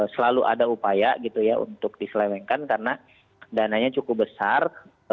selalu ada upaya gitu ya untuk diselewengkan karena dananya cukup besar